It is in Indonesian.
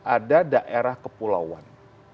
ada daerah kepulauan